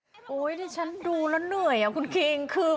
ทีนี้ฉันดูแล้วเหนื่อยเครีงคือ